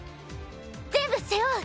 全部背負う。